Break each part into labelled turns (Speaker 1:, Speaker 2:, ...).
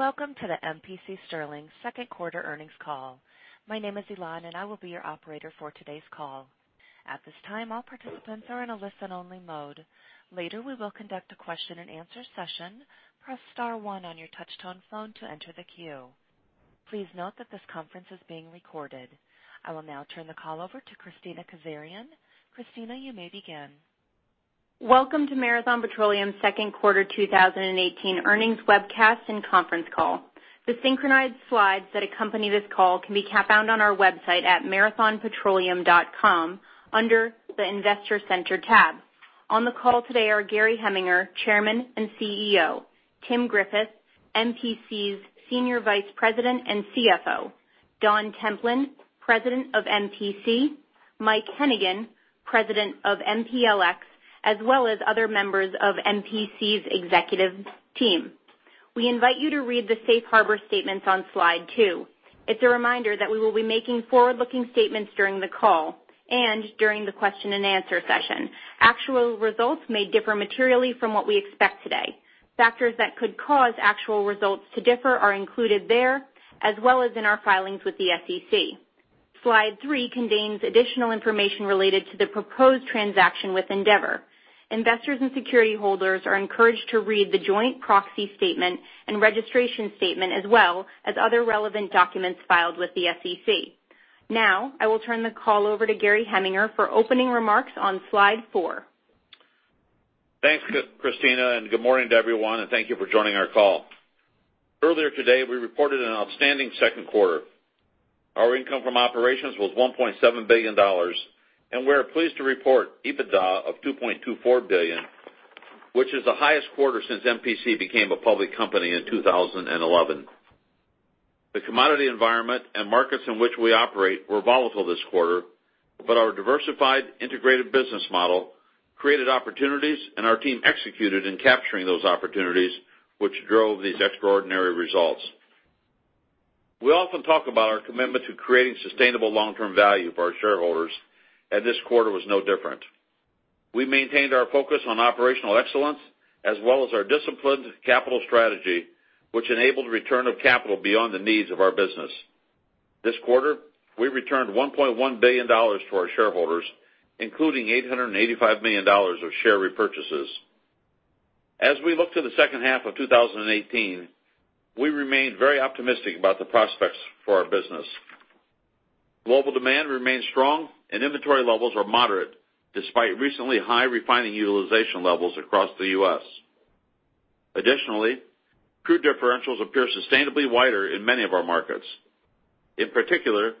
Speaker 1: Welcome to the MPC second quarter earnings call. My name is Elan and I will be your operator for today's call. At this time, all participants are in a listen-only mode. Later, we will conduct a question and answer session. Press star one on your touchtone phone to enter the queue. Please note that this conference is being recorded. I will now turn the call over to Kristina Kazarian. Kristina, you may begin.
Speaker 2: Welcome to Marathon Petroleum's second quarter 2018 earnings webcast and conference call. The synchronized slides that accompany this call can be found on our website at marathonpetroleum.com under the Investor Center tab. On the call today are Gary Heminger, Chairman and CEO, Tim Griffith, MPC's Senior Vice President and CFO, Don Templin, President of MPC, Mike Hennigan, President of MPLX, as well as other members of MPC's executive team. We invite you to read the safe harbor statements on slide two. It's a reminder that we will be making forward-looking statements during the call and during the question and answer session. Actual results may differ materially from what we expect today. Factors that could cause actual results to differ are included there, as well as in our filings with the SEC. Slide three contains additional information related to the proposed transaction with Andeavor. Investors and security holders are encouraged to read the joint proxy statement and registration statement, as well as other relevant documents filed with the SEC. I will turn the call over to Gary Heminger for opening remarks on slide four.
Speaker 3: Thanks, Kristina, good morning to everyone, thank you for joining our call. Earlier today, we reported an outstanding second quarter. Our income from operations was $1.7 billion. We're pleased to report EBITDA of $2.24 billion, which is the highest quarter since MPC became a public company in 2011. The commodity environment and markets in which we operate were volatile this quarter. Our diversified, integrated business model created opportunities. Our team executed in capturing those opportunities, which drove these extraordinary results. We often talk about our commitment to creating sustainable long-term value for our shareholders. This quarter was no different. We maintained our focus on operational excellence as well as our disciplined capital strategy, which enabled return of capital beyond the needs of our business. This quarter, we returned $1.1 billion to our shareholders, including $885 million of share repurchases. As we look to the second half of 2018, we remain very optimistic about the prospects for our business. Global demand remains strong and inventory levels are moderate, despite recently high refining utilization levels across the U.S. Additionally, crude differentials appear sustainably wider in many of our markets. In particular,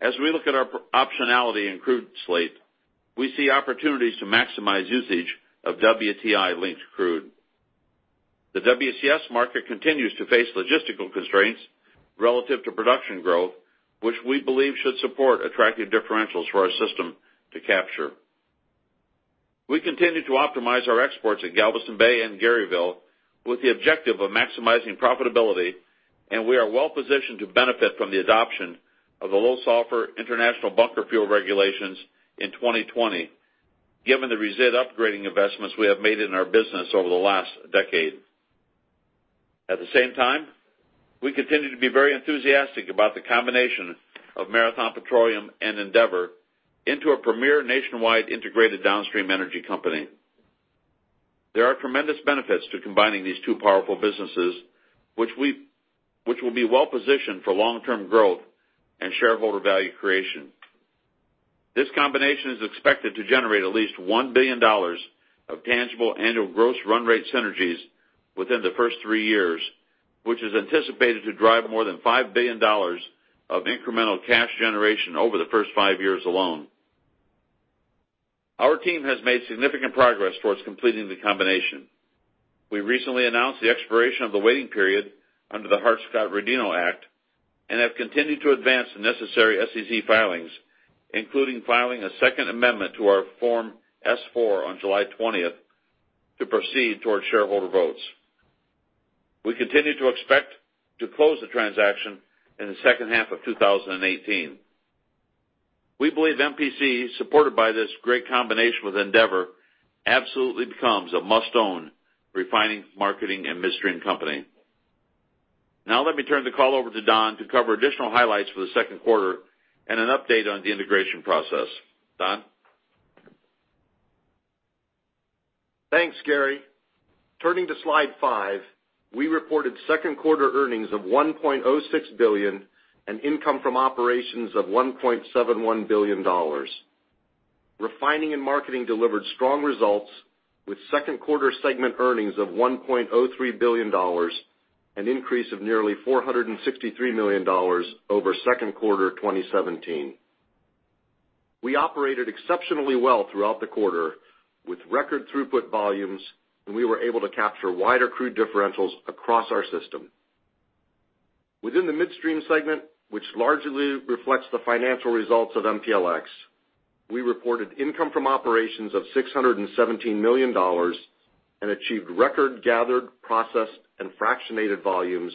Speaker 3: as we look at our optionality in crude slate, we see opportunities to maximize usage of WTI-linked crude. The WCS market continues to face logistical constraints relative to production growth, which we believe should support attractive differentials for our system to capture. We continue to optimize our exports at Galveston Bay and Garyville with the objective of maximizing profitability, and we are well-positioned to benefit from the adoption of the low sulfur international bunker fuel regulations in 2020, given the recent upgrading investments we have made in our business over the last decade. At the same time, we continue to be very enthusiastic about the combination of Marathon Petroleum and Andeavor into a premier nationwide integrated downstream energy company. There are tremendous benefits to combining these two powerful businesses, which will be well positioned for long-term growth and shareholder value creation. This combination is expected to generate at least $1 billion of tangible annual gross run rate synergies within the first three years, which is anticipated to drive more than $5 billion of incremental cash generation over the first five years alone. Our team has made significant progress towards completing the combination. We recently announced the expiration of the waiting period under the Hart-Scott-Rodino Act and have continued to advance the necessary SEC filings, including filing a second amendment to our Form S-4 on July 20th to proceed towards shareholder votes. We continue to expect to close the transaction in the second half of 2018. We believe MPC, supported by this great combination with Andeavor, absolutely becomes a must-own refining, marketing and midstream company. Now let me turn the call over to Don to cover additional highlights for the second quarter and an update on the integration process. Don?
Speaker 4: Thanks, Gary. Turning to slide five, we reported second quarter earnings of $1.06 billion and income from operations of $1.71 billion. Refining and marketing delivered strong results with second quarter segment earnings of $1.03 billion, an increase of nearly $463 million over second quarter 2017. We operated exceptionally well throughout the quarter with record throughput volumes, and we were able to capture wider crude differentials across our system. Within the midstream segment, which largely reflects the financial results of MPLX, we reported income from operations of $617 million and achieved record gathered, processed, and fractionated volumes,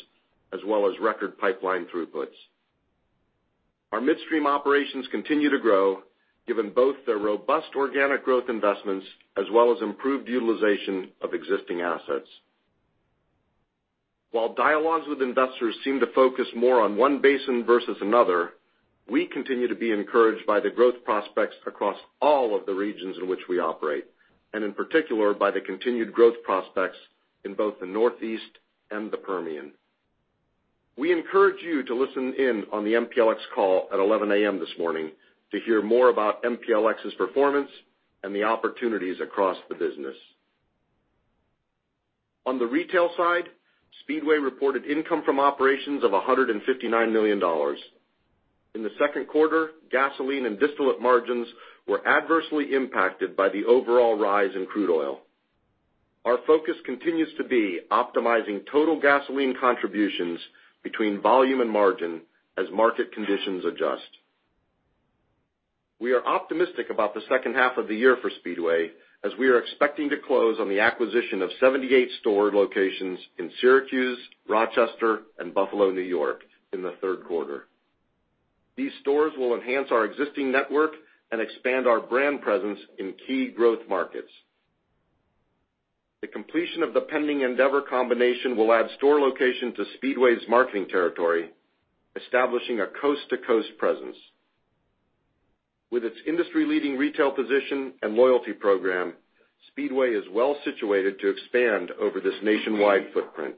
Speaker 4: as well as record pipeline throughputs. Our midstream operations continue to grow given both their robust organic growth investments as well as improved utilization of existing assets. While dialogues with investors seem to focus more on one basin versus another, we continue to be encouraged by the growth prospects across all of the regions in which we operate, and in particular, by the continued growth prospects in both the Northeast and the Permian. We encourage you to listen in on the MPLX call at 11:00 A.M. this morning to hear more about MPLX's performance and the opportunities across the business. On the retail side, Speedway reported income from operations of $159 million. In the second quarter, gasoline and distillate margins were adversely impacted by the overall rise in crude oil. Our focus continues to be optimizing total gasoline contributions between volume and margin as market conditions adjust. We are optimistic about the second half of the year for Speedway as we are expecting to close on the acquisition of 78 store locations in Syracuse, Rochester, and Buffalo, N.Y. in the third quarter. These stores will enhance our existing network and expand our brand presence in key growth markets. The completion of the pending Andeavor combination will add store location to Speedway's marketing territory, establishing a coast-to-coast presence. With its industry-leading retail position and loyalty program, Speedway is well situated to expand over this nationwide footprint.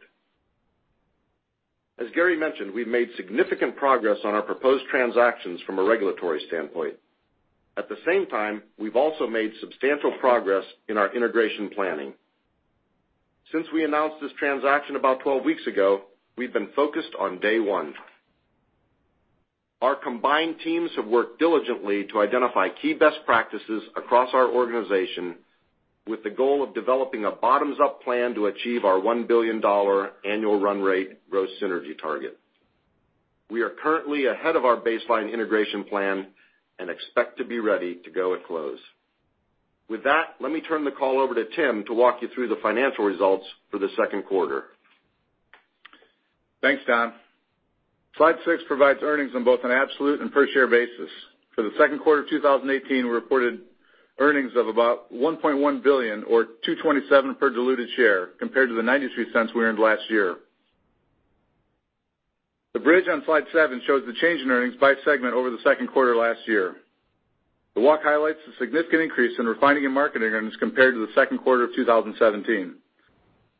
Speaker 4: As Gary mentioned, we've made significant progress on our proposed transactions from a regulatory standpoint. At the same time, we've also made substantial progress in our integration planning. Since we announced this transaction about 12 weeks ago, we've been focused on day one. Our combined teams have worked diligently to identify key best practices across our organization with the goal of developing a bottoms-up plan to achieve our $1 billion annual run rate growth synergy target. We are currently ahead of our baseline integration plan and expect to be ready to go at close. With that, let me turn the call over to Tim to walk you through the financial results for the second quarter.
Speaker 5: Thanks, Don. Slide six provides earnings on both an absolute and per share basis. For the second quarter of 2018, we reported earnings of about $1.1 billion, or $2.27 per diluted share compared to the $0.93 we earned last year. The bridge on Slide seven shows the change in earnings by segment over the second quarter last year.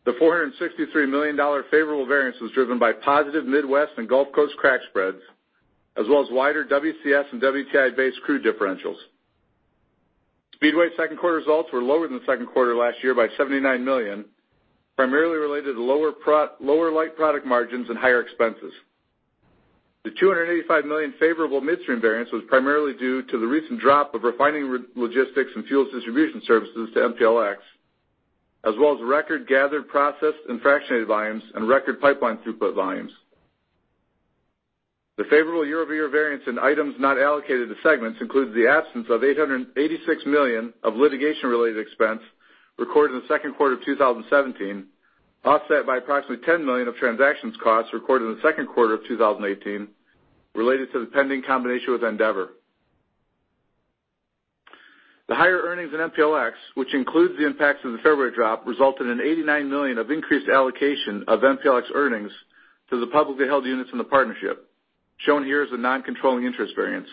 Speaker 5: The $463 million favorable variance was driven by positive Midwest and Gulf Coast crack spreads, as well as wider WCS and WTI-based crude differentials. Speedway second quarter results were lower than the second quarter last year by $79 million, primarily related to lower light product margins and higher expenses. The $285 million favorable midstream variance was primarily due to the recent drop of refining logistics and fuels distribution services to MPLX, as well as record gathered, processed, and fractionated volumes and record pipeline throughput volumes. The favorable year-over-year variance in items not allocated to segments includes the absence of $886 million of litigation-related expense recorded in the second quarter of 2017, offset by approximately $10 million of transactions costs recorded in the second quarter of 2018 related to the pending combination with Andeavor. The higher earnings in MPLX, which includes the impacts of the February drop, resulted in $89 million of increased allocation of MPLX earnings to the publicly held units in the partnership, shown here as a non-controlling interest variance.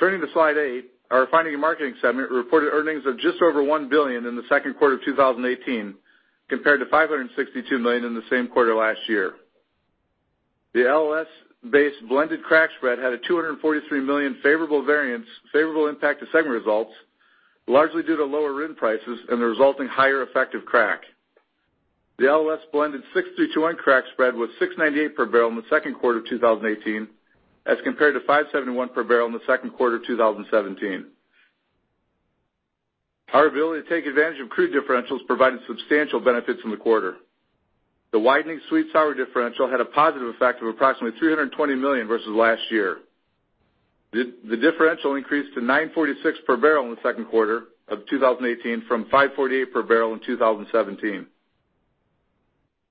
Speaker 5: Turning to Slide 8, our refining and marketing segment reported earnings of just over $1 billion in the second quarter of 2018, compared to $562 million in the same quarter last year. The LLS-based blended crack spread had a $243 million favorable impact to segment results, largely due to lower RIN prices and the resulting higher effective crack. The LLS blended 6-2-1 crack spread was $698 per barrel in the second quarter of 2018 as compared to $571 per barrel in the second quarter of 2017. Our ability to take advantage of crude differentials provided substantial benefits in the quarter. The widening sweet sour differential had a positive effect of approximately $320 million versus last year. The differential increased to $946 per barrel in the second quarter of 2018 from $548 per barrel in 2017.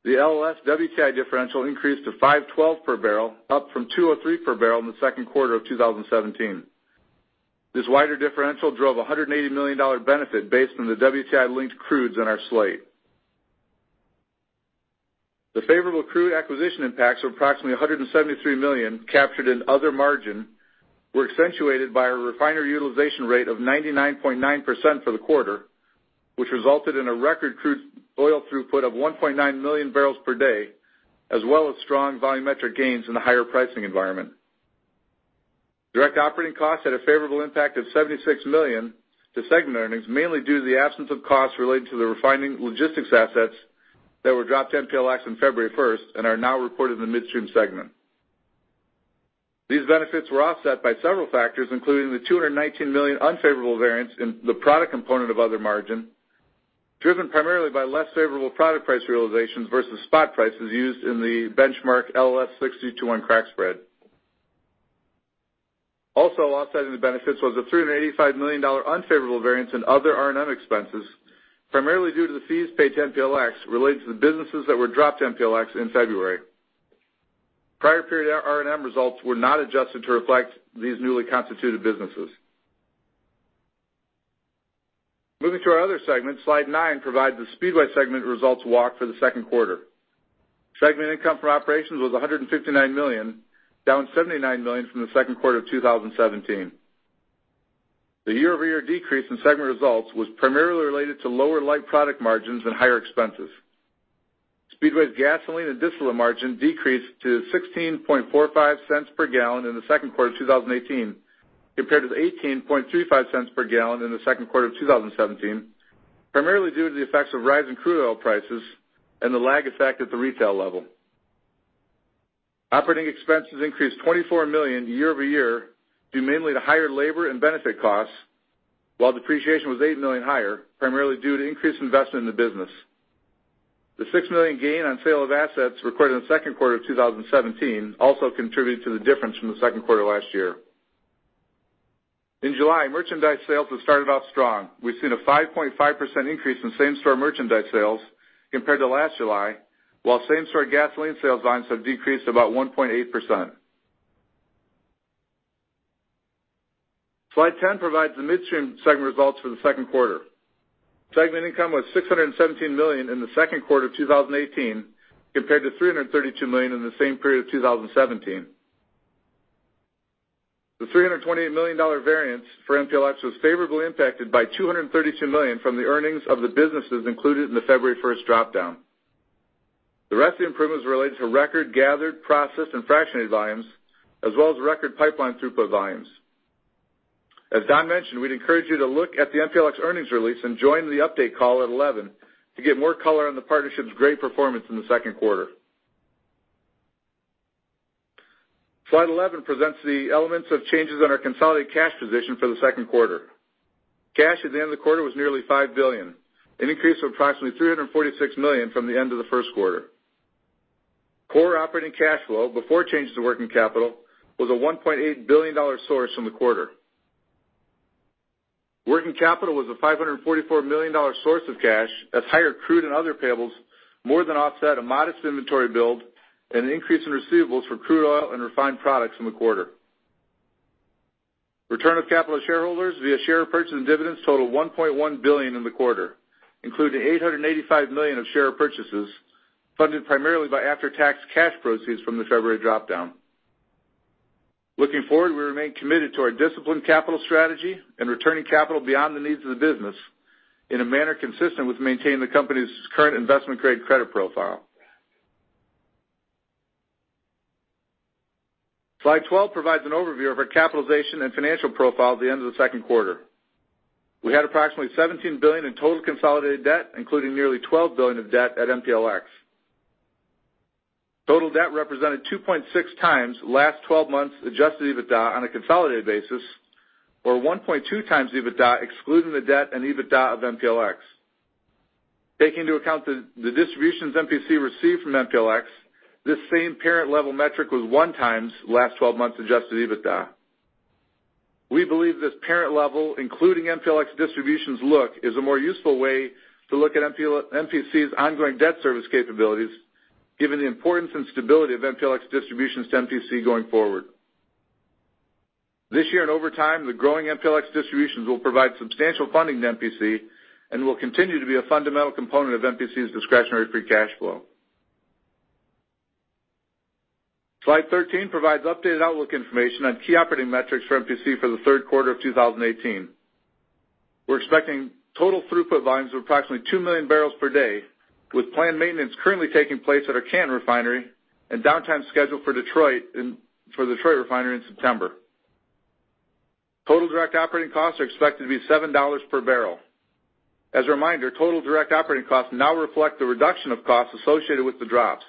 Speaker 5: The LLS WTI differential increased to $512 per barrel, up from $203 per barrel in the second quarter of 2017. This wider differential drove $180 million benefit based on the WTI-linked crudes in our slate. The favorable crude acquisition impacts of approximately $173 million captured in other margin were accentuated by a refinery utilization rate of 99.9% for the quarter, which resulted in a record crude oil throughput of 1.9 million barrels per day, as well as strong volumetric gains in the higher pricing environment. Direct operating costs had a favorable impact of $76 million to segment earnings, mainly due to the absence of costs related to the refining logistics assets that were dropped to MPLX on February 1st and are now reported in the midstream segment. These benefits were offset by several factors, including the $219 million unfavorable variance in the product component of other margin, driven primarily by less favorable product price realizations versus spot prices used in the benchmark LLS 6-2-1 crack spread. Offsetting the benefits was a $385 million unfavorable variance in other R&M expenses, primarily due to the fees paid to MPLX related to the businesses that were dropped to MPLX in February. Prior period R&M results were not adjusted to reflect these newly constituted businesses. Moving to our other segments, slide nine provides the Speedway segment results walk for the second quarter. Segment income from operations was $159 million, down $79 million from the second quarter of 2017. The year-over-year decrease in segment results was primarily related to lower light product margins and higher expenses. Speedway's gasoline and distillate margin decreased to $0.1645 per gallon in the second quarter of 2018, compared to $0.1835 per gallon in the second quarter of 2017, primarily due to the effects of rising crude oil prices and the lag effect at the retail level. Operating expenses increased $24 million year-over-year, due mainly to higher labor and benefit costs, while depreciation was $8 million higher, primarily due to increased investment in the business. The $6 million gain on sale of assets recorded in the second quarter of 2017 also contributed to the difference from the second quarter last year. In July, merchandise sales have started off strong. We've seen a 5.5% increase in same-store merchandise sales compared to last July, while same-store gasoline sales volumes have decreased about 1.8%. Slide 10 provides the Midstream segment results for the second quarter. Segment income was $617 million in the second quarter of 2018, compared to $332 million in the same period of 2017. The $328 million variance for MPLX was favorably impacted by $232 million from the earnings of the businesses included in the February 1st drop-down. The rest of the improvements relate to record gathered, processed, and fractionated volumes, as well as record pipeline throughput volumes. As Don mentioned, we'd encourage you to look at the MPLX earnings release and join the update call at 11:00 A.M. to get more color on the partnership's great performance in the second quarter. Slide 11 presents the elements of changes on our consolidated cash position for the second quarter. Cash at the end of the quarter was nearly $5 billion, an increase of approximately $346 million from the end of the first quarter. Core operating cash flow before changes to working capital was a $1.8 billion source in the quarter. Working capital was a $544 million source of cash, as higher crude and other payables more than offset a modest inventory build and an increase in receivables for crude oil and refined products in the quarter. Return of capital to shareholders via share repurchase and dividends totaled $1.1 billion in the quarter, including $885 million of share repurchases, funded primarily by after-tax cash proceeds from the February drop-down. Looking forward, we remain committed to our disciplined capital strategy and returning capital beyond the needs of the business in a manner consistent with maintaining the company's current investment-grade credit profile. Slide 12 provides an overview of our capitalization and financial profile at the end of the second quarter. We had approximately $17 billion in total consolidated debt, including nearly $12 billion of debt at MPLX. Total debt represented 2.6 times last 12 months adjusted EBITDA on a consolidated basis, or 1.2 times EBITDA excluding the debt and EBITDA of MPLX. Taking into account the distributions MPC received from MPLX, this same parent-level metric was one times last 12 months adjusted EBITDA. We believe this parent level, including MPLX distributions look, is a more useful way to look at MPC's ongoing debt service capabilities, given the importance and stability of MPLX distributions to MPC going forward. This year and over time, the growing MPLX distributions will provide substantial funding to MPC and will continue to be a fundamental component of MPC's discretionary free cash flow. Slide 13 provides updated outlook information on key operating metrics for MPC for the third quarter of 2018. We're expecting total throughput volumes of approximately 2 million barrels per day, with planned maintenance currently taking place at our Canton refinery and downtime scheduled for the Detroit refinery in September. Total direct operating costs are expected to be $7 per barrel. As a reminder, total direct operating costs now reflect the reduction of costs associated with the drops.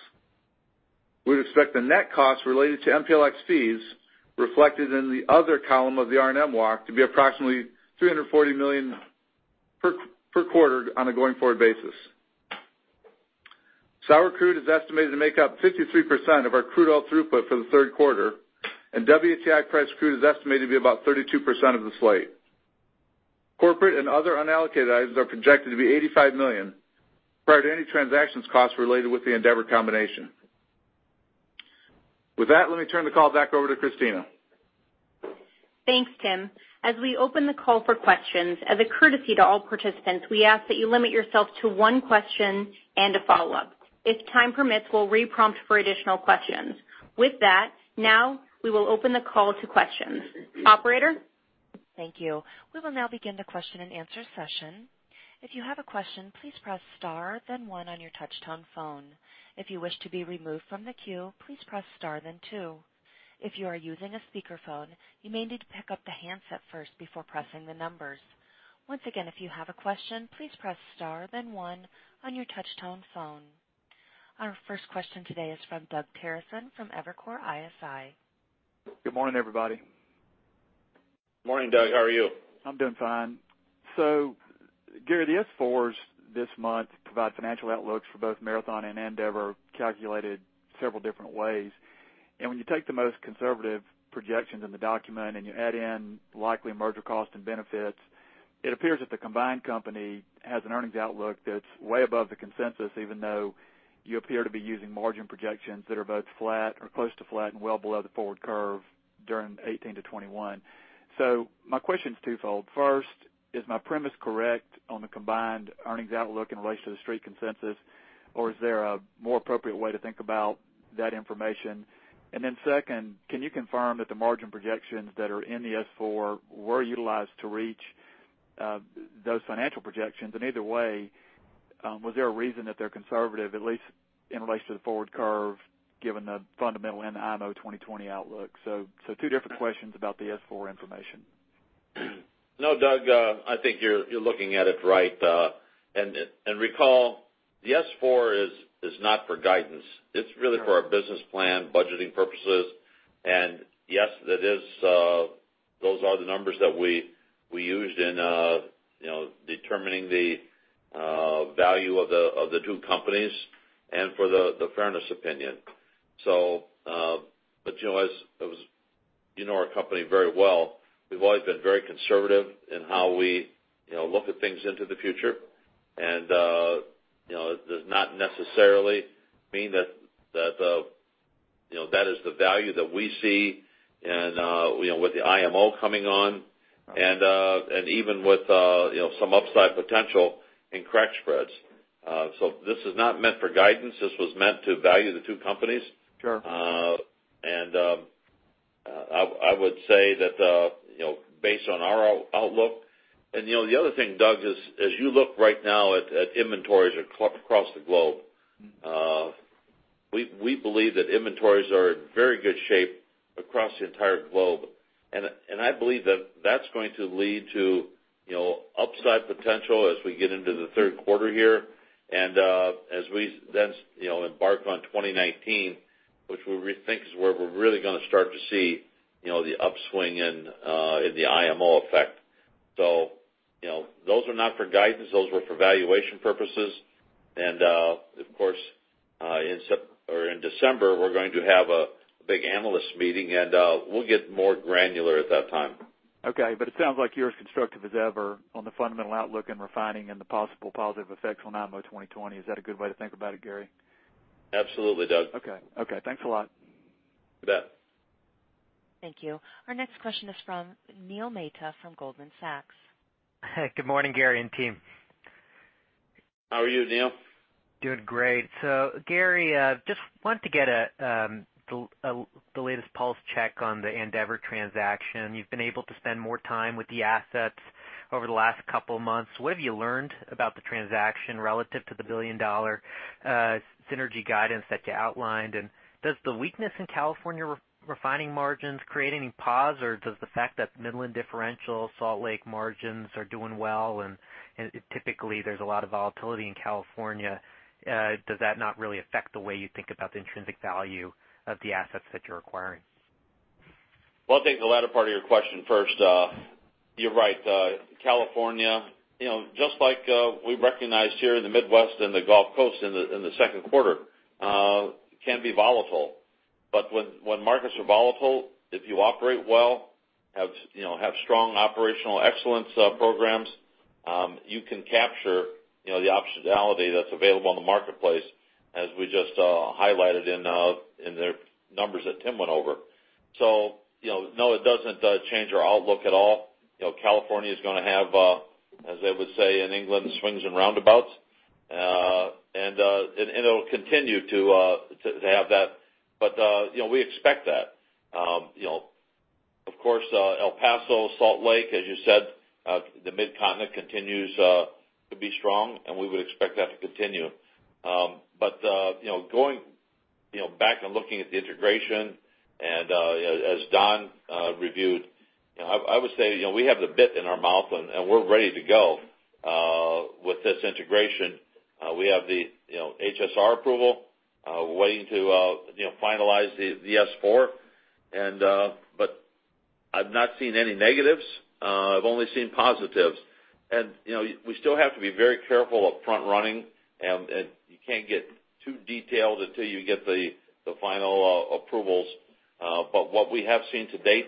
Speaker 5: We'd expect the net costs related to MPLX fees reflected in the other column of the R&M walk to be approximately $340 million per quarter on a going-forward basis. Sour crude is estimated to make up 53% of our crude oil throughput for the third quarter, and WTI priced crude is estimated to be about 32% of the slate. Corporate and other unallocated items are projected to be $85 million, prior to any transactions costs related with the Andeavor combination. With that, let me turn the call back over to Kristina.
Speaker 2: Thanks, Tim. As we open the call for questions, as a courtesy to all participants, we ask that you limit yourself to one question and a follow-up. If time permits, we'll re-prompt for additional questions. With that, now we will open the call to questions. Operator?
Speaker 1: Thank you. We will now begin the question and answer session. If you have a question, please press star then one on your touch-tone phone. If you wish to be removed from the queue, please press star then two. If you are using a speakerphone, you may need to pick up the handset first before pressing the numbers. Once again, if you have a question, please press star then one on your touch-tone phone. Our first question today is from Doug Terreson from Evercore ISI.
Speaker 6: Good morning, everybody.
Speaker 3: Morning, Doug, how are you?
Speaker 6: I'm doing fine. Gary, the S-4s this month provide financial outlooks for both Marathon and Andeavor calculated several different ways. When you take the most conservative projections in the document and you add in likely merger costs and benefits, it appears that the combined company has an earnings outlook that's way above the consensus, even though you appear to be using margin projections that are both flat or close to flat and well below the forward curve during 2018 to 2021. My question's twofold. First, is my premise correct on the combined earnings outlook in relation to the Street consensus, or is there a more appropriate way to think about that information? Then second, can you confirm that the margin projections that are in the S-4 were utilized to reach those financial projections? Either way, was there a reason that they're conservative, at least in relation to the forward curve, given the fundamental IMO 2020 outlook? Two different questions about the S-4 information.
Speaker 3: No, Doug, I think you're looking at it right. Recall, the S-4 is not for guidance. It's really for our business plan, budgeting purposes. Yes, those are the numbers that we used in determining the value of the two companies and for the fairness opinion. You know our company very well. We've always been very conservative in how we look at things into the future. Does not necessarily mean that is the value that we see and with the IMO coming on and even with some upside potential in crack spreads. This is not meant for guidance. This was meant to value the two companies.
Speaker 6: Sure.
Speaker 3: I would say that based on our outlook, the other thing, Doug, is as you look right now at inventories across the globe, we believe that inventories are in very good shape across the entire globe. I believe that's going to lead to upside potential as we get into the third quarter here. As we then embark on 2019, which we think is where we're really going to start to see the upswing in the IMO effect. Those were not for guidance. Those were for valuation purposes. Of course, in December, we're going to have a big analyst meeting, and we'll get more granular at that time.
Speaker 6: Okay. It sounds like you're as constructive as ever on the fundamental outlook in refining and the possible positive effects on IMO 2020. Is that a good way to think about it, Gary?
Speaker 3: Absolutely, Doug.
Speaker 6: Okay. Thanks a lot.
Speaker 3: You bet.
Speaker 1: Thank you. Our next question is from Neil Mehta from Goldman Sachs.
Speaker 7: Good morning, Gary and team.
Speaker 3: How are you, Neil?
Speaker 7: Doing great. Gary, just wanted to get the latest pulse check on the Andeavor transaction. You've been able to spend more time with the assets over the last couple of months. What have you learned about the transaction relative to the $1 billion synergy guidance that you outlined? Does the weakness in California refining margins create any pause, or does the fact that Midland differential, Salt Lake margins are doing well and typically there's a lot of volatility in California, does that not really affect the way you think about the intrinsic value of the assets that you're acquiring?
Speaker 3: Well, I'll take the latter part of your question first. You're right, California, just like we recognized here in the Midwest and the Gulf Coast in the second quarter, can be volatile. When markets are volatile, if you operate well, have strong operational excellence programs, you can capture the optionality that's available in the marketplace as we just highlighted in the numbers that Tim went over. No, it doesn't change our outlook at all. California is going to have, as they would say in England, swings and roundabouts. It'll continue to have that, but we expect that. Of course, El Paso, Salt Lake, as you said, the Midcontinent continues to be strong, and we would expect that to continue. Going back and looking at the integration and as Don reviewed, I would say we have the bit in our mouth and we're ready to go with this integration. We have the HSR approval. We're waiting to finalize the S-4. I've not seen any negatives. I've only seen positives. We still have to be very careful up front running, and you can't get too detailed until you get the final approvals. What we have seen to date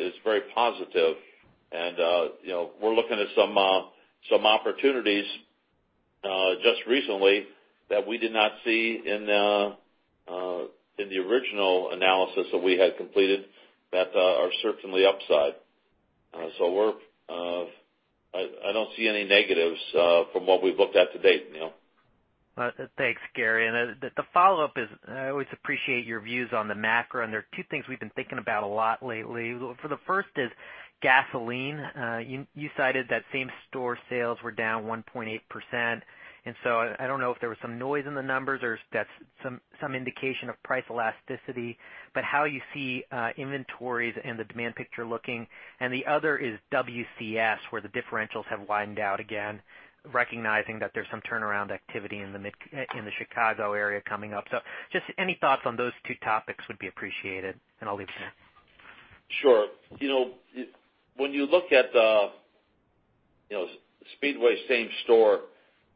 Speaker 3: is very positive. We're looking at some opportunities just recently that we did not see in the original analysis that we had completed that are certainly upside. I don't see any negatives from what we've looked at to date, Neil.
Speaker 7: Thanks, Gary. The follow-up is, I always appreciate your views on the macro, and there are two things we've been thinking about a lot lately. For the first is gasoline. You cited that same-store sales were down 1.8%, I don't know if there was some noise in the numbers or if that's some indication of price elasticity, but how you see inventories and the demand picture looking. The other is WCS, where the differentials have widened out again, recognizing that there's some turnaround activity in the Chicago area coming up. Just any thoughts on those two topics would be appreciated. I'll leave it there.
Speaker 3: Sure. When you look at Speedway same-store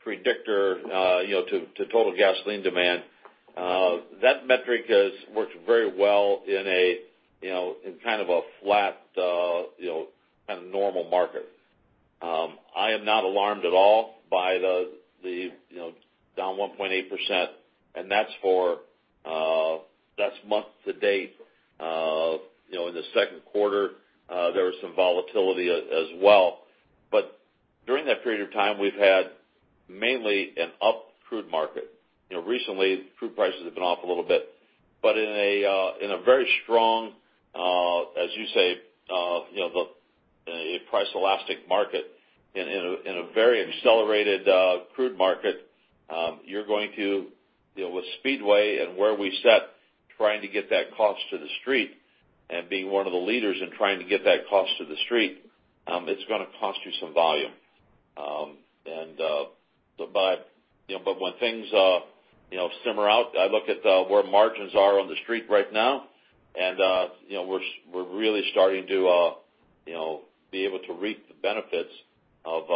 Speaker 3: predictor to total gasoline demand. That metric has worked very well in a flat, normal market. I am not alarmed at all by the down 1.8%, and that's month to date. In the second quarter, there was some volatility as well. During that period of time, we've had mainly an up crude market. Recently, crude prices have been off a little bit. In a very strong, as you say, the price elastic market, in a very accelerated crude market, you're going to deal with Speedway and where we sit, trying to get that cost to the street, and being one of the leaders in trying to get that cost to the street, it's going to cost you some volume. When things simmer out, I look at where margins are on the street right now, and we're really starting to be able to reap the benefits of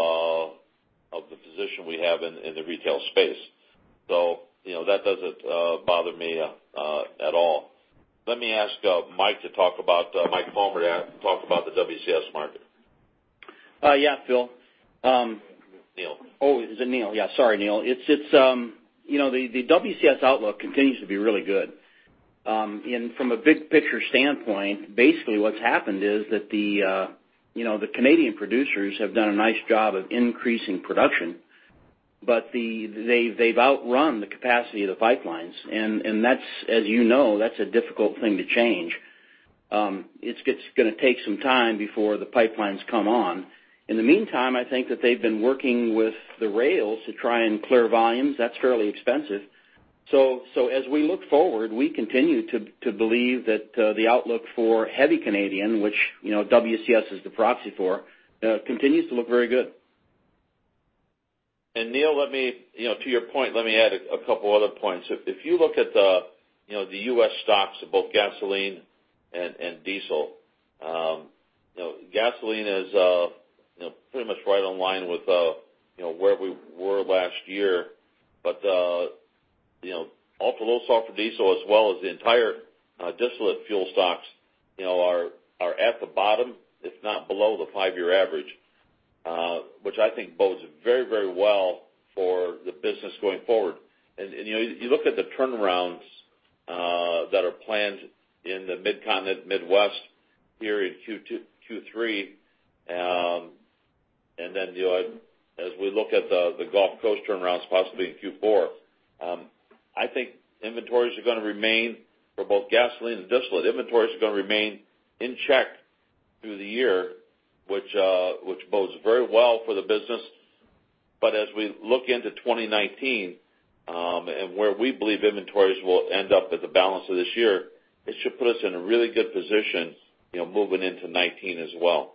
Speaker 3: the position we have in the retail space. That doesn't bother me at all. Let me ask Mike Palmer to talk about the WCS market.
Speaker 8: Yeah, Phil.
Speaker 3: Neil.
Speaker 8: Is it Neil? Sorry, Neil. The WCS outlook continues to be really good. From a big picture standpoint, basically what's happened is that the Canadian producers have done a nice job of increasing production, they've outrun the capacity of the pipelines. As you know, that's a difficult thing to change. It's going to take some time before the pipelines come on. In the meantime, I think that they've been working with the rails to try and clear volumes. That's fairly expensive. As we look forward, we continue to believe that the outlook for heavy Canadian, which WCS is the proxy for, continues to look very good.
Speaker 3: Neil, to your point, let me add a couple other points. If you look at the U.S. stocks of both gasoline and diesel. Gasoline is pretty much right in line with where we were last year, but ultra-low-sulfur diesel, as well as the entire distillate fuel stocks are at the bottom, if not below the 5-year average, which I think bodes very well for the business going forward. You look at the turnarounds that are planned in the Mid-Continent, Midwest period Q2, Q3, and then as we look at the Gulf Coast turnarounds, possibly in Q4. I think inventories are going to remain for both gasoline and distillate in check through the year, which bodes very well for the business. As we look into 2019, and where we believe inventories will end up at the balance of this year, it should put us in a really good position moving into 2019 as well.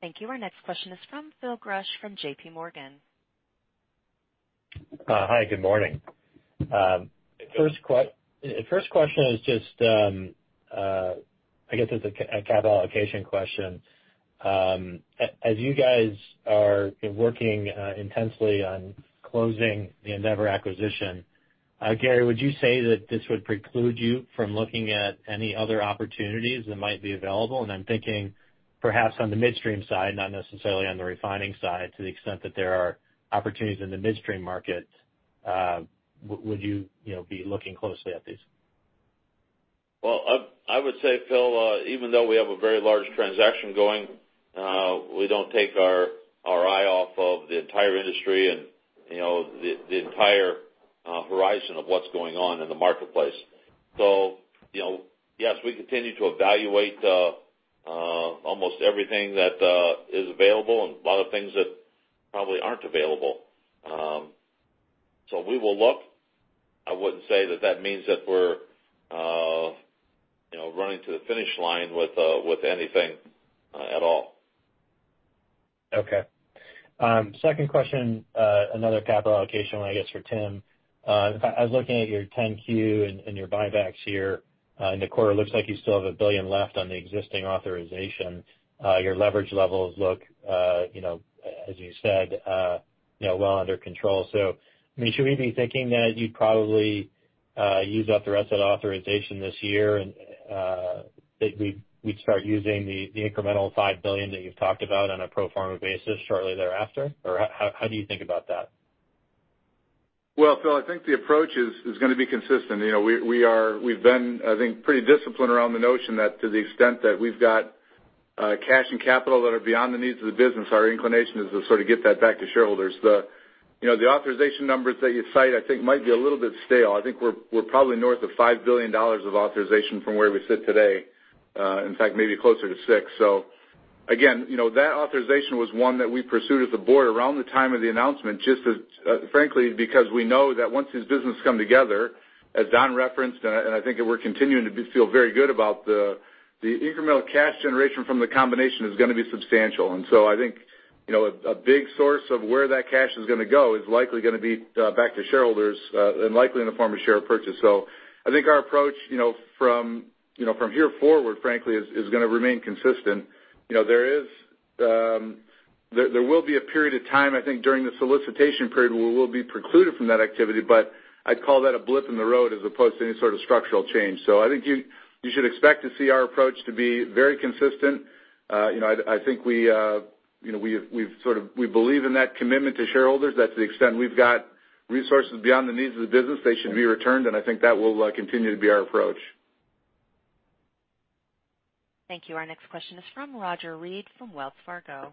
Speaker 1: Thank you. Our next question is from Phil Gresh from JPMorgan.
Speaker 9: Hi, good morning. First question is just, I guess it's a capital allocation question. As you guys are working intensely on closing the Andeavor acquisition, Gary, would you say that this would preclude you from looking at any other opportunities that might be available? I'm thinking perhaps on the midstream side, not necessarily on the refining side to the extent that there are opportunities in the midstream market. Would you be looking closely at these?
Speaker 3: Well, I would say, Phil, even though we have a very large transaction going, we don't take our eye off of the entire industry and the entire horizon of what's going on in the marketplace. Yes, we continue to evaluate almost everything that is available and a lot of things that probably aren't available. We will look. I wouldn't say that means that we're running to the finish line with anything at all.
Speaker 9: Okay. Second question, another capital allocation one, I guess, for Tim. I was looking at your 10-Q and your buybacks here in the quarter. It looks like you still have $1 billion left on the existing authorization. Your leverage levels look, as you said, well under control. Should we be thinking that you'd probably use up the rest of the authorization this year, and that we'd start using the incremental $5 billion that you've talked about on a pro forma basis shortly thereafter? Or how do you think about that?
Speaker 5: Well, Phil, I think the approach is going to be consistent. We've been, I think, pretty disciplined around the notion that to the extent that we've got cash and capital that are beyond the needs of the business, our inclination is to get that back to shareholders. The authorization numbers that you cite, I think, might be a little bit stale. I think we're probably north of $5 billion of authorization from where we sit today. In fact, maybe closer to six. Again, that authorization was one that we pursued at the board around the time of the announcement, frankly, because we know that once these businesses come together, as Don referenced, and I think that we're continuing to feel very good about the incremental cash generation from the combination is going to be substantial. I think A big source of where that cash is going to go is likely going to be back to shareholders and likely in the form of share purchase. I think our approach from here forward, frankly, is going to remain consistent. There will be a period of time, I think, during the solicitation period where we will be precluded from that activity, but I'd call that a blip in the road as opposed to any sort of structural change. I think you should expect to see our approach to be very consistent. I think we believe in that commitment to shareholders. That's the extent we've got resources beyond the needs of the business. They should be returned, and I think that will continue to be our approach.
Speaker 1: Thank you. Our next question is from Roger Read from Wells Fargo.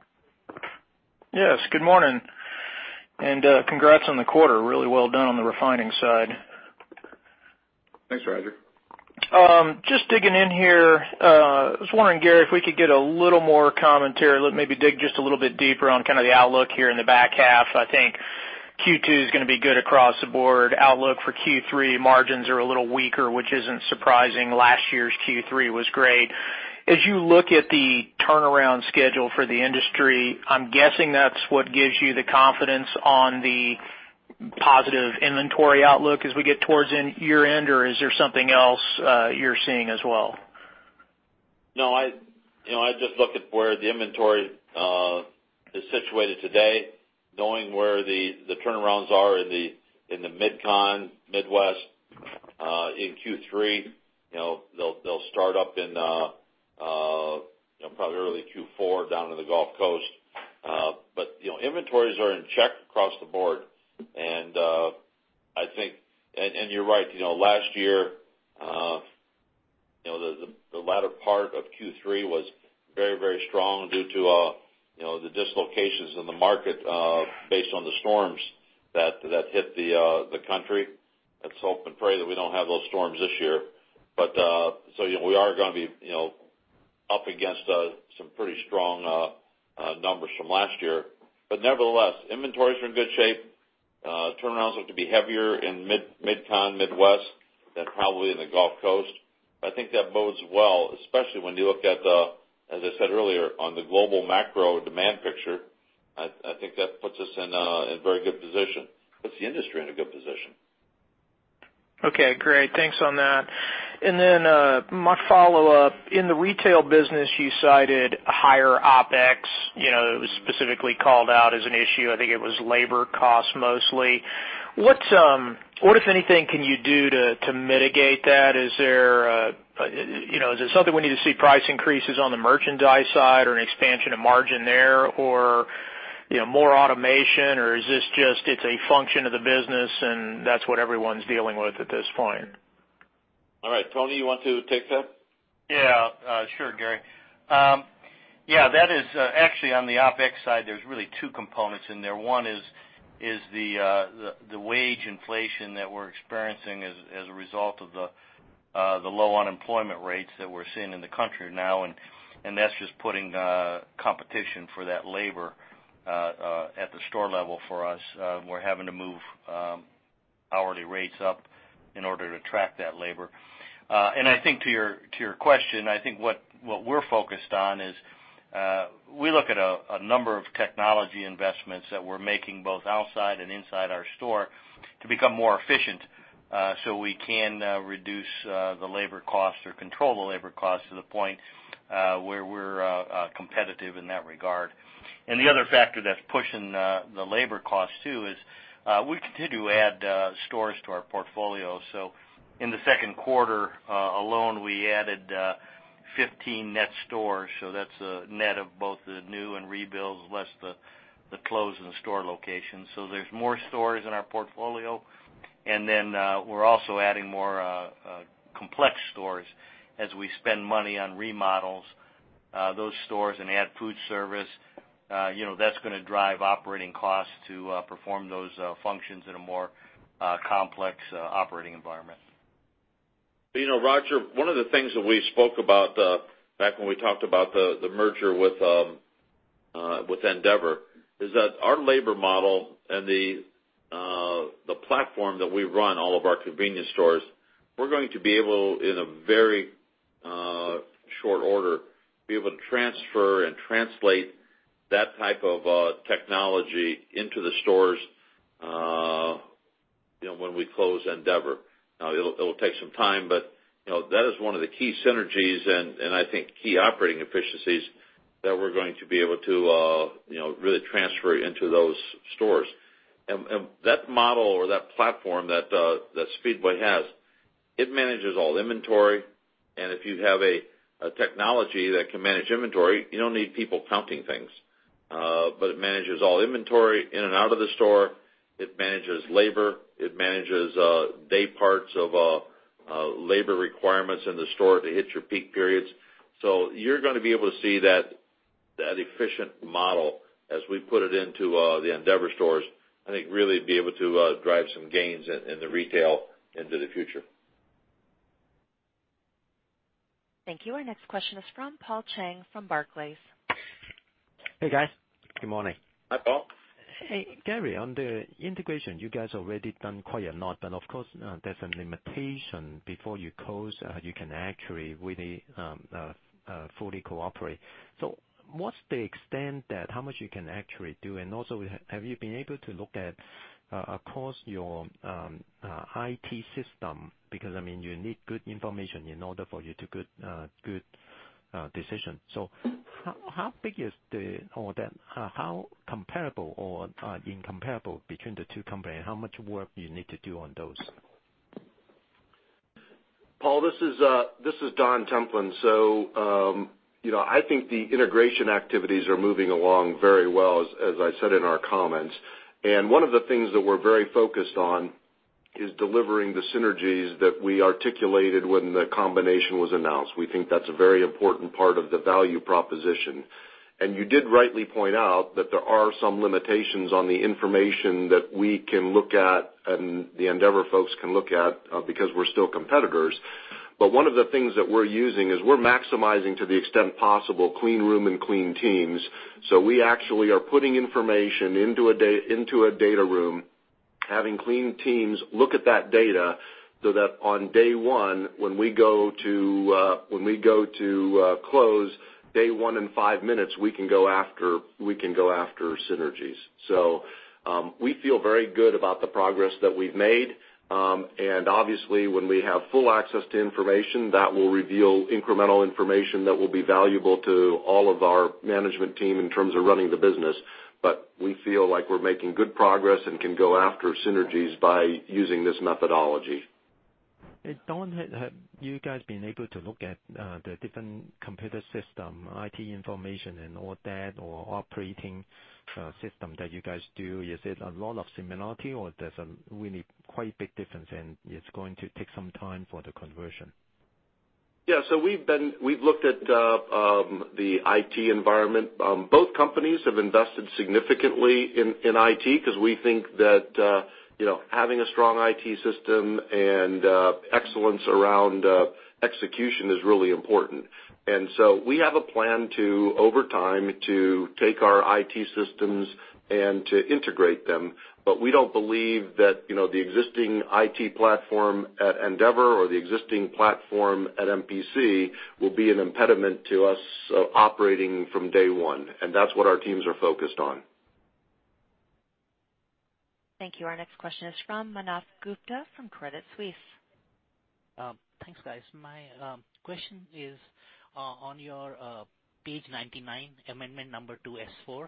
Speaker 10: Yes, good morning, congrats on the quarter. Really well done on the refining side.
Speaker 3: Thanks, Roger.
Speaker 10: Just digging in here. I was wondering, Gary, if we could get a little more commentary, maybe dig just a little bit deeper on kind of the outlook here in the back half. I think Q2 is going to be good across the board. Outlook for Q3 margins are a little weaker, which isn't surprising. Last year's Q3 was great. As you look at the turnaround schedule for the industry, I'm guessing that's what gives you the confidence on the positive inventory outlook as we get towards year-end, or is there something else you're seeing as well?
Speaker 3: I just look at where the inventory is situated today, knowing where the turnarounds are in the mid-con, Midwest, in Q3. They'll start up in probably early Q4 down to the Gulf Coast. Inventories are in check across the board. You're right. Last year, the latter part of Q3 was very strong due to the dislocations in the market based on the storms that hit the country. Let's hope and pray that we don't have those storms this year. We are going to be up against some pretty strong numbers from last year. Nevertheless, inventories are in good shape. Turnarounds look to be heavier in mid-con, Midwest than probably in the Gulf Coast. I think that bodes well, especially when you look at the, as I said earlier, on the global macro demand picture. I think that puts us in a very good position, puts the industry in a good position.
Speaker 10: Okay, great. Thanks on that. My follow-up. In the retail business, you cited higher OpEx, it was specifically called out as an issue. I think it was labor cost mostly. What, if anything, can you do to mitigate that? Is it something we need to see price increases on the merchandise side or an expansion of margin there, or more automation, or is this just a function of the business and that's what everyone's dealing with at this point?
Speaker 3: All right. Tony, you want to take that?
Speaker 11: Sure, Gary. That is actually on the OpEx side, there's really two components in there. One is the wage inflation that we're experiencing as a result of the low unemployment rates that we're seeing in the country now, that's just putting competition for that labor at the store level for us. We're having to move hourly rates up in order to track that labor. I think to your question, I think what we're focused on is, we look at a number of technology investments that we're making both outside and inside our store to become more efficient, so we can reduce the labor cost or control the labor cost to the point where we're competitive in that regard. The other factor that's pushing the labor cost too is, we continue to add stores to our portfolio. In the second quarter alone, we added 15 net stores. That's a net of both the new and rebuilds, less the close in the store location. There's more stores in our portfolio. We're also adding more complex stores as we spend money on remodels. Those stores and add food service, that's going to drive operating costs to perform those functions in a more complex operating environment.
Speaker 3: Roger, one of the things that we spoke about back when we talked about the merger with Andeavor is that our labor model and the platform that we run all of our convenience stores, we're going to be able, in a very short order, be able to transfer and translate that type of technology into the stores when we close Andeavor. It'll take some time, that is one of the key synergies and I think key operating efficiencies that we're going to be able to really transfer into those stores. That model or that platform that Speedway has, it manages all inventory, and if you have a technology that can manage inventory, you don't need people counting things. It manages all inventory in and out of the store. It manages labor. It manages day parts of labor requirements in the store to hit your peak periods. You're going to be able to see that efficient model as we put it into the Andeavor stores, I think, really be able to drive some gains in the retail into the future.
Speaker 1: Thank you. Our next question is from Paul Cheng from Barclays.
Speaker 12: Hey, guys. Good morning.
Speaker 3: Hi, Paul.
Speaker 12: Hey, Gary, on the integration, you guys already done quite a lot. Of course, there's a limitation before you close, you can actually really fully cooperate. What's the extent that how much you can actually do? Also, have you been able to look at across your IT system? Because you need good information in order for you to good decision. How big is all that? How comparable or incomparable between the two companies? How much work do you need to do on those?
Speaker 4: Paul, this is Don Templin. I think the integration activities are moving along very well, as I said in our comments. One of the things that we're very focused on is delivering the synergies that we articulated when the combination was announced. We think that's a very important part of the value proposition. You did rightly point out that there are some limitations on the information that we can look at and the Andeavor folks can look at because we're still competitors. One of the things that we're using is we're maximizing, to the extent possible, clean room and clean teams. We actually are putting information into a data room, having clean teams look at that data so that on day one, when we go to close day one in five minutes, we can go after synergies. We feel very good about the progress that we've made. Obviously when we have full access to information, that will reveal incremental information that will be valuable to all of our management team in terms of running the business. We feel like we're making good progress and can go after synergies by using this methodology.
Speaker 12: Hey, Don, have you guys been able to look at the different computer system, IT information, and all that, or operating system that you guys do? Is it a lot of similarity or there's a really quite big difference, and it's going to take some time for the conversion?
Speaker 4: Yeah, we've looked at the IT environment. Both companies have invested significantly in IT because we think that having a strong IT system and excellence around execution is really important. We have a plan to, over time, to take our IT systems and to integrate them. We don't believe that the existing IT platform at Andeavor or the existing platform at MPC will be an impediment to us operating from day one, and that's what our teams are focused on.
Speaker 1: Thank you. Our next question is from Manav Gupta from Credit Suisse.
Speaker 13: Thanks, guys. My question is on your page 99, amendment number 2, S-4.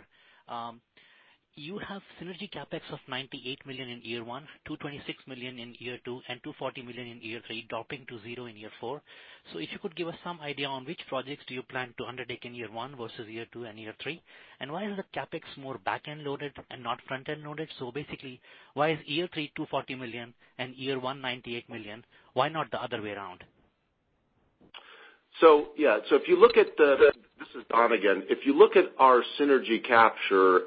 Speaker 13: You have synergy CapEx of $98 million in year one, $226 million in year two, and $240 million in year three, dropping to zero in year four. If you could give us some idea on which projects do you plan to undertake in year one versus year two and year three? Why is the CapEx more back-end loaded and not front-end loaded? Basically, why is year three $240 million and year one $98 million? Why not the other way around?
Speaker 4: Yeah. This is Don again. If you look at our synergy capture,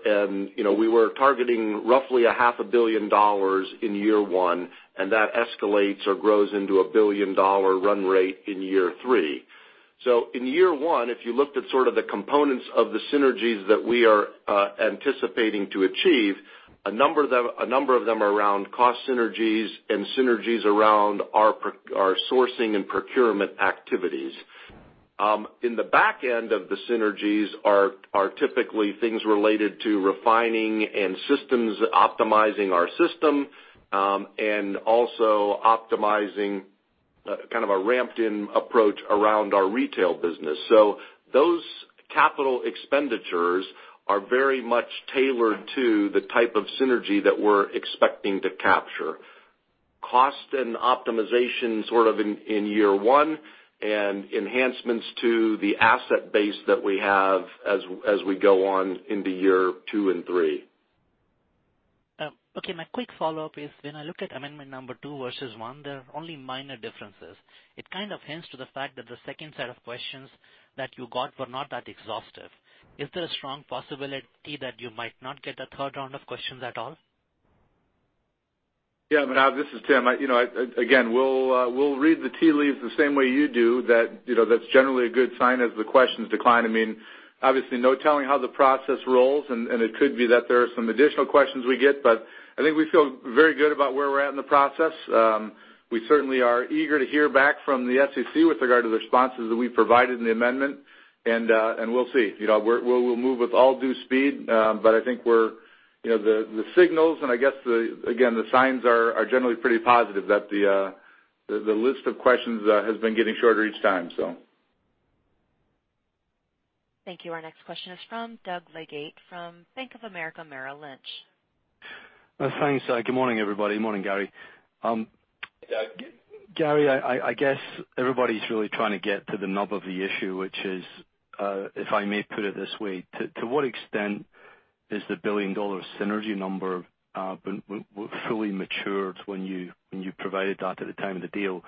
Speaker 4: we were targeting roughly a half a billion dollars in year one, that escalates or grows into a billion-dollar run rate in year three. In year one, if you looked at sort of the components of the synergies that we are anticipating to achieve, a number of them are around cost synergies and synergies around our sourcing and procurement activities. In the back end of the synergies are typically things related to refining and systems, optimizing our system, and also optimizing kind of a ramped in approach around our retail business. Those capital expenditures are very much tailored to the type of synergy that we're expecting to capture. Cost and optimization sort of in year one and enhancements to the asset base that we have as we go on into year two and three.
Speaker 13: My quick follow-up is when I look at amendment number two versus one, there are only minor differences. It kind of hints to the fact that the second set of questions that you got were not that exhaustive. Is there a strong possibility that you might not get a third round of questions at all?
Speaker 5: Yeah, Manav, this is Tim. Again, we'll read the tea leaves the same way you do that's generally a good sign as the questions decline. Obviously, no telling how the process rolls. It could be that there are some additional questions we get. I think we feel very good about where we're at in the process. We certainly are eager to hear back from the SEC with regard to the responses that we provided in the amendment, and we'll see. We'll move with all due speed. I think the signals, and I guess the signs are generally pretty positive that the list of questions has been getting shorter each time.
Speaker 1: Thank you. Our next question is from Doug Leggate from Bank of America Merrill Lynch.
Speaker 14: Thanks. Good morning, everybody. Morning, Gary. Gary, I guess everybody's really trying to get to the nub of the issue, which is, if I may put it this way, to what extent is the billion-dollar synergy number fully matured when you provided that at the time of the deal?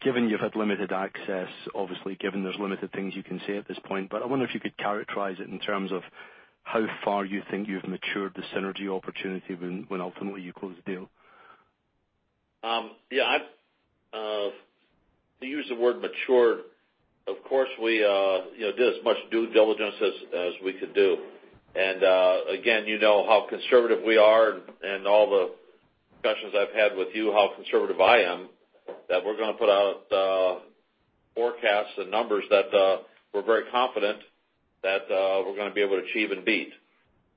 Speaker 14: Given you've had limited access, obviously given there's limited things you can say at this point, I wonder if you could characterize it in terms of how far you think you've matured the synergy opportunity when ultimately you close the deal.
Speaker 3: To use the word mature, of course, we did as much due diligence as we could do. Again, you know how conservative we are and all the discussions I've had with you, how conservative I am, that we're going to put out forecasts and numbers that we're very confident that we're going to be able to achieve and beat.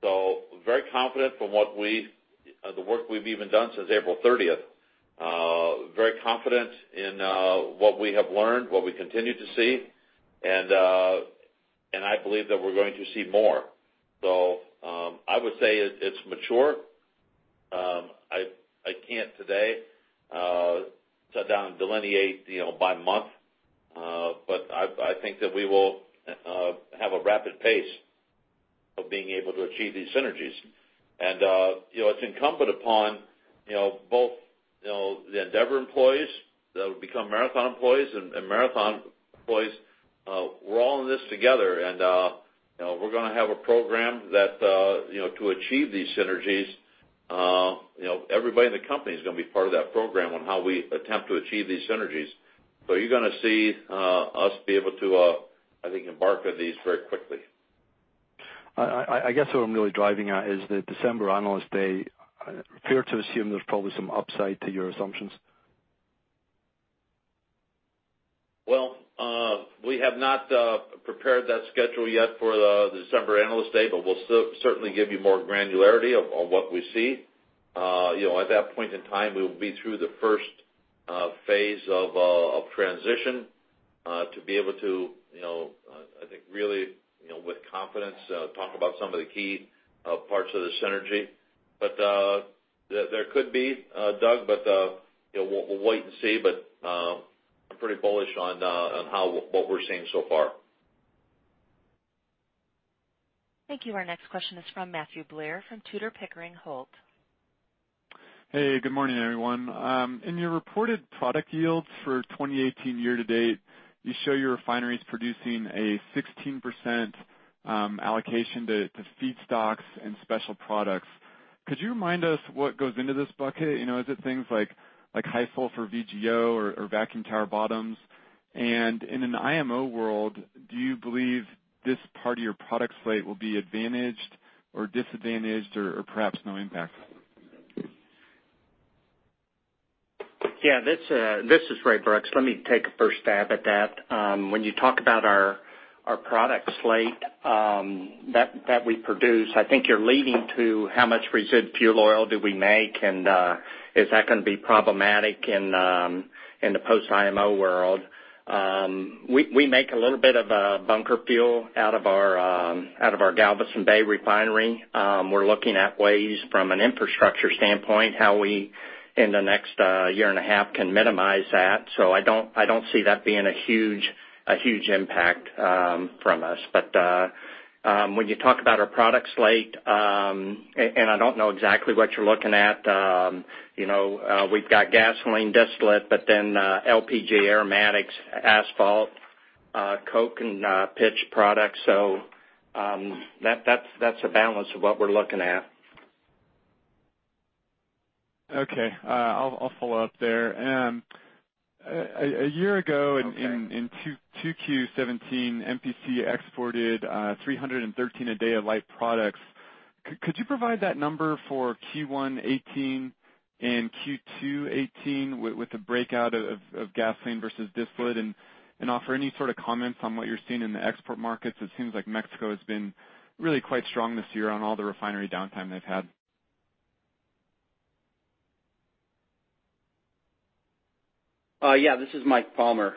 Speaker 3: Very confident from the work we've even done since April 30th. Very confident in what we have learned, what we continue to see, and I believe that we're going to see more. I would say it's mature. I can't today sit down and delineate by month. I think that we will have a rapid pace of being able to achieve these synergies. And it's incumbent upon both the Andeavor employees that will become Marathon employees and Marathon employees. We're all in this together, and we're going to have a program to achieve these synergies. Everybody in the company is going to be part of that program on how we attempt to achieve these synergies. You're going to see us be able to, I think, embark on these very quickly.
Speaker 14: I guess what I'm really driving at is the December Analyst Day. Fair to assume there's probably some upside to your assumptions?
Speaker 3: We have not prepared that schedule yet for the December Analyst Day, but we'll certainly give you more granularity on what we see. At that point in time, we will be through the first phase of transition to be able to, I think, really, with confidence, talk about some of the key parts of the synergy. There could be, Doug, but we'll wait and see, but I'm pretty bullish on what we're seeing so far.
Speaker 1: Thank you. Our next question is from Matthew Blair from Tudor, Pickering, Holt.
Speaker 15: Hey, good morning, everyone. In your reported product yields for 2018 year to date, you show your refineries producing a 16% allocation to feedstocks and special products. Could you remind us what goes into this bucket? Is it things like high sulfur VGO or vacuum tower bottoms? In an IMO world, do you believe this part of your product slate will be advantaged or disadvantaged or perhaps no impact?
Speaker 16: Yeah, this is Ray Brooks. Let me take a first stab at that. When you talk about our product slate that we produce, I think you're leading to how much residual fuel oil do we make, and is that going to be problematic in the post-IMO world. We make a little bit of a bunker fuel out of our Galveston Bay refinery. We're looking at ways, from an infrastructure standpoint, how we, in the next year and a half, can minimize that. I don't see that being a huge impact from us. When you talk about our product slate, and I don't know exactly what you're looking at. We've got gasoline distillate, but then LPG aromatics, asphalt, coke, and pitch products. That's a balance of what we're looking at.
Speaker 15: Okay. I'll follow up there.
Speaker 16: Okay
Speaker 15: In 2Q 2017, MPC exported 313,000 barrels a day of light products. Could you provide that number for Q1 2018 and Q2 2018 with the breakout of gasoline versus distillate and offer any sort of comments on what you're seeing in the export markets? It seems like Mexico has been really quite strong this year on all the refinery downtime they've had.
Speaker 8: This is Mike Palmer.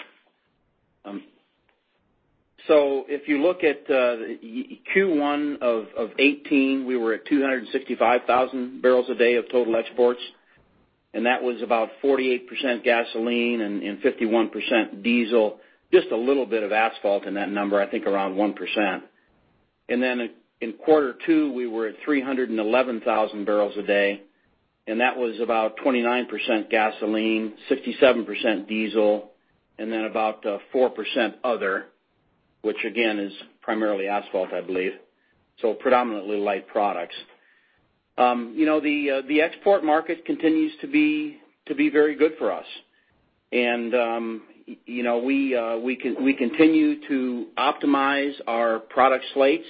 Speaker 8: If you look at Q1 of '18, we were at 265,000 barrels a day of total exports, and that was about 48% gasoline and 51% diesel. Just a little bit of asphalt in that number, I think around 1%. In quarter two, we were at 311,000 barrels a day, and that was about 29% gasoline, 67% diesel, and then about 4% other, which again, is primarily asphalt, I believe. Predominantly light products. The export market continues to be very good for us. We continue to optimize our product slates.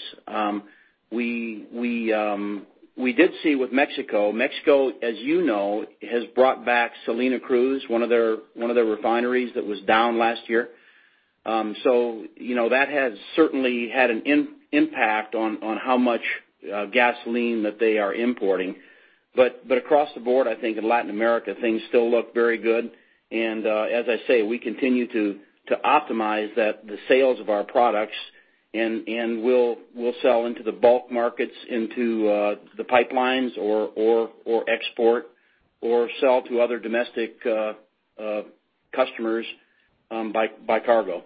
Speaker 8: We did see with Mexico, as you know, has brought back Salina Cruz, one of their refineries that was down last year. That has certainly had an impact on how much gasoline that they are importing. Across the board, I think in Latin America, things still look very good. As I say, we continue to optimize the sales of our products and we'll sell into the bulk markets, into the pipelines or export or sell to other domestic customers by cargo.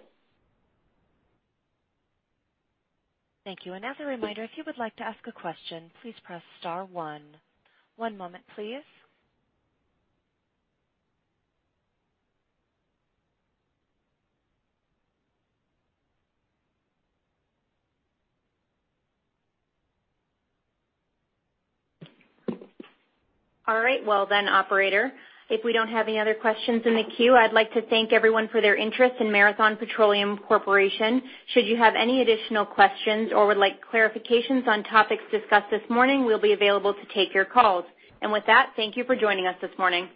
Speaker 2: Thank you. As a reminder, if you would like to ask a question, please press star one. One moment, please. Operator, if we don't have any other questions in the queue, I'd like to thank everyone for their interest in Marathon Petroleum Corporation. Should you have any additional questions or would like clarifications on topics discussed this morning, we'll be available to take your calls. With that, thank you for joining us this morning.